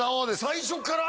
最初から？